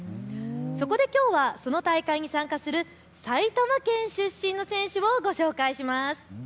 そこできょうはその大会に参加する埼玉県出身の選手をご紹介します。